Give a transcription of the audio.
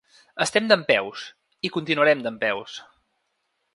Estem dempeus, i continuarem dempeus.